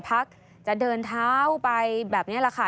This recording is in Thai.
พักจะเดินเท้าไปแบบนี้แหละค่ะ